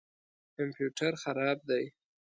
کمپیوټر خراب دی